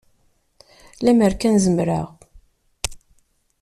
Lemmer kan zemreɣ...